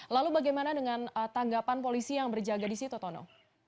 lalu bagaimana dengan tanggapan polisi yang berjaga di situ tono